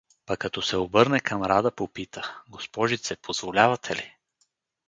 Па като се обърна към Рада, попита: — Госпожице, позволявате ли?